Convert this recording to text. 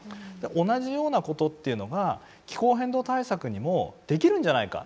同じようなことっていうのが気候変動対策にもできるんじゃないか。